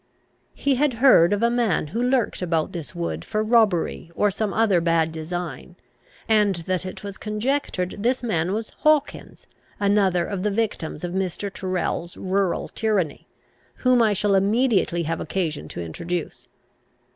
He had heard of a man who lurked about this wood for robbery or some other bad design, and that it was conjectured this man was Hawkins, another of the victims of Mr. Tyrrel's rural tyranny, whom I shall immediately have occasion to introduce.